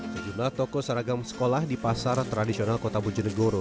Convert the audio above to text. sejumlah toko seragam sekolah di pasar tradisional kota bojonegoro